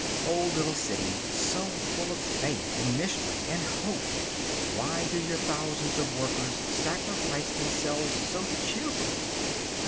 Oh little city, so full of faith, and mystery, and hope, why do your thousands of workers sacrifice themselves so cheerfully?